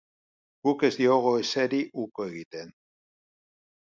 Guk ez diogu ezeri uko egiten.